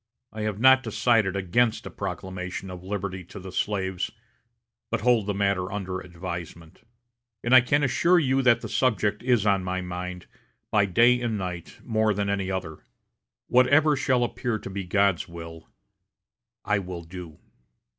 I have not decided against a proclamation of liberty to the slaves, but hold the matter under advisement. And I can assure you that the subject is on my mind, by day and night, more than any other. Whatever shall appear to be God's will, I will do."